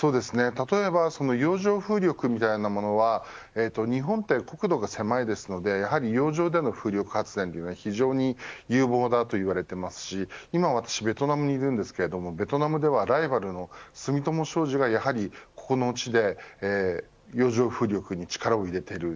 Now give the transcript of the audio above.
例えば洋上風力みたいなものは日本って国土が狭いですのでやはり洋上での風力発電は非常に有望だといわれていますし今、私、ベトナムにいるんですがベトナムではライバルの住友商事がやはりここの地で洋上風力に力を入れています。